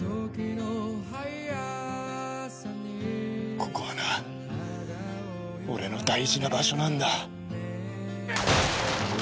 ここはな俺の大事な場所なんだ。